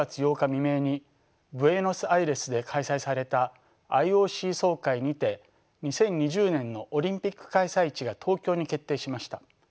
未明にブエノスアイレスで開催されたＩＯＣ総会にて２０２０年のオリンピック開催地が東京に決定しました。